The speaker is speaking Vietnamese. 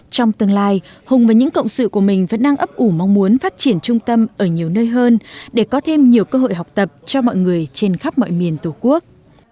trong tương lai hùng và những cộng sự của mình vẫn đang ấp ủ mong muốn phát triển trung tâm ở nhiều nơi hơn để có thêm nhiều cơ hội học tập cho mọi người trên khắp mọi miền tổ quốc